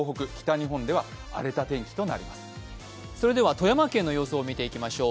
富山県の様子を見ていきましょう。